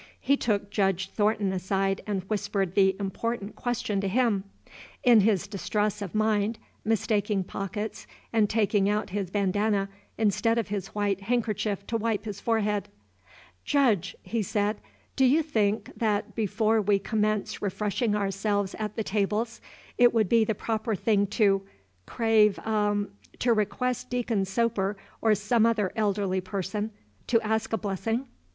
He took Judge Thornton aside and whispered the important question to him, in his distress of mind, mistaking pockets and taking out his bandanna instead of his white handkerchief to wipe his forehead. "Judge," he said, "do you think, that, before we commence refreshing ourselves at the tables, it would be the proper thing to crave a to request Deacon Soper or some other elderly person to ask a blessing?"